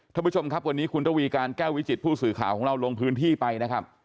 ท่านผู้ชมครับวันนี้คุณระวีการแก้ววิจิตผู้สื่อข่าวของเราลงพื้นที่ไปนะครับ